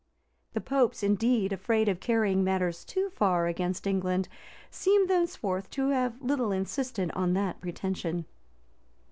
[] The popes, indeed, afraid of carrying matters too far against England, seem thenceforth to have little insisted on that pretension.